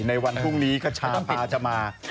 ในวันพรุ่งนี้กระชาพาจะมา